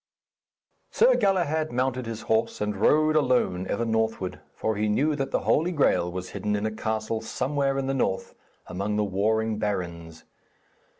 Sir Galahad mounted his horse and rode alone, ever northward, for he knew that the Holy Graal was hidden in a castle somewhere in the north among the warring barons.